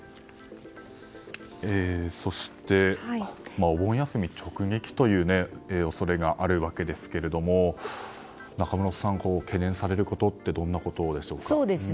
そして、お盆休み直撃という恐れがあるわけですけれども中室さん、懸念されることってどんなことでしょうか。